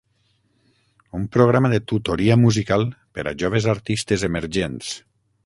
Un programa de tutoria musical per a joves artistes emergents.